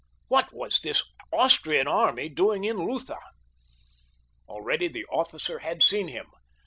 What was this Austrian army doing in Lutha? Already the officer had seen him.